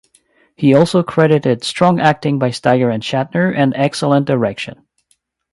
He also credited strong acting by Steiger and Shatner and excellent direction.